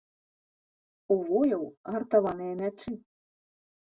У вояў гартаваныя мячы!